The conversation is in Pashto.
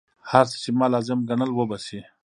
هر څه چې ما لازم ګڼل وبه شي.